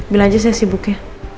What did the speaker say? bilang aja saya sibuk ya